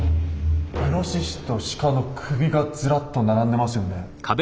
イノシシと鹿の首がずらっと並んでますよね。